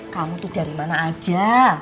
kamu tuh dari mana aja